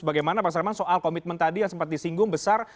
bagaimana pak sarman soal komitmen tadi yang sempat disinggung besar